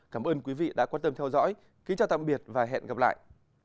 cảm ơn quý vị đã quan tâm theo dõi kính chào tạm biệt và hẹn gặp lại